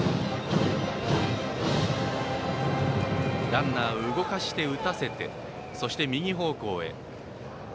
ランナーを動かして打たせてそして、右方向へ。